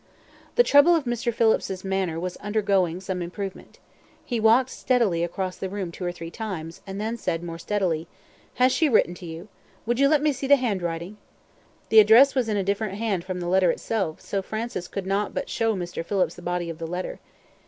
The trouble of Mr. Phillips's manner was undergoing some improvement. He walked across the room two or three times, and then said more steadily: "Has she written to you? Would you let me see the hand writing?" The address was in a different hand from the letter itself, so Francis could not but show Mr. Phillips the body of the letter.